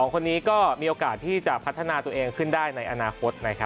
๒คนนี้ก็มีโอกาสที่จะพัฒนาตัวเองขึ้นได้ในอนาคต